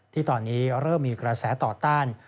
ที่ตอนนี้เริ่มมีกระแสต่อต้าน